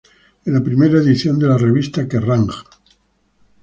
En la primera edición de la Revista "Kerrang!